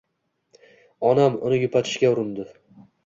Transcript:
Onam uni yupatishga urindi.